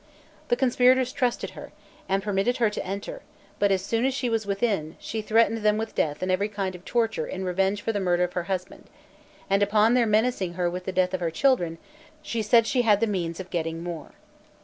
The conspirators trusted her, and permitted her to enter; but as soon as she was within, she threatened them with death and every kind of torture in revenge for the murder of her husband; and upon their menacing her with the death of her children, she said she had the means of getting more.